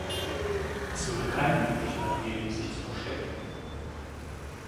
Es würde keine Möglichkeit geben, sich zu verstecken.